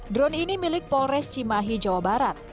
drone ini milik polres cimahi jawa barat